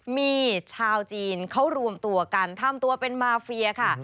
มีชาวจีนเขารวมตัวกันทำตัวเป็นมาเฟียค่ะ